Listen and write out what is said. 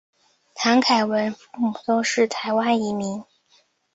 谭凯文父母都是台湾移民。